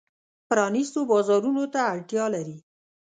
پرانیستو بازارونو ته اړتیا لري.